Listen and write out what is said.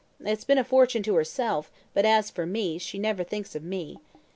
It's been a fortune to herself; but as for me, she never thinks of me.